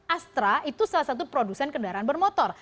astra itu salah satu produsen kendaraan bermotor